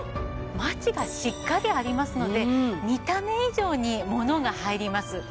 マチがしっかりありますので見た目以上に物が入ります。